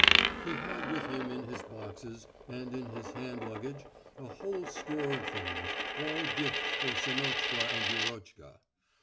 He had with him in his boxes and in his hand luggage a whole store of things, all gifts for Sannochka and Yurochka.